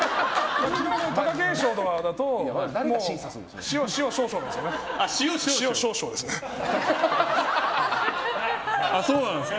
昨日の貴景勝とかだと塩少々なんですよね。